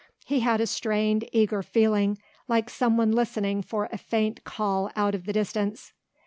He had a strained, eager feeling like some one listening for a faint call out of the distance.